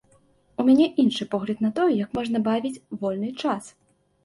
У мяне іншы погляд на тое, як можна бавіць вольны час.